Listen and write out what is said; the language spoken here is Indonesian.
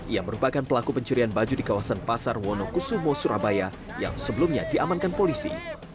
ia merupakan pelaku pencurian baju di kawasan pasar wonokusumo surabaya yang sebelumnya diamankan polisi